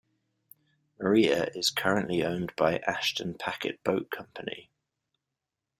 "Maria" is currently owned by Ashton Packet Boat Company.